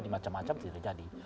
di macam macam terjadi